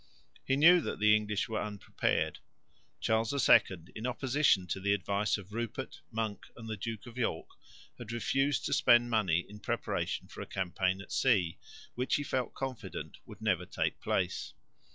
He knew that the English were unprepared. Charles II, in opposition to the advice of Rupert, Monk and the Duke of York, had refused to spend money in preparation for a campaign at sea, which he felt confident would never take place.